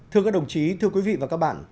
thưa các đồng chí thưa quý vị và các bạn